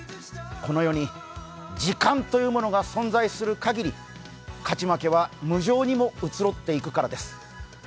この世に時間というものが存在するかぎり、勝ち負けは無情にもうつろっていくからです。